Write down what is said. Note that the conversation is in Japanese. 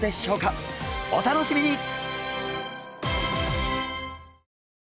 お楽しみに！